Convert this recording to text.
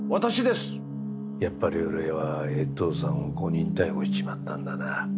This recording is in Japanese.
やっぱり俺は衛藤さんを誤認逮捕しちまったんだな。